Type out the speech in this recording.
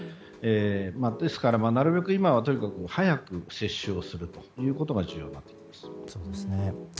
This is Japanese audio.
ですから、なるべく今はとにかく早く接種することが重要になってきます。